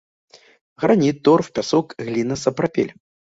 Граніт, торф, пясок, гліна, сапрапель.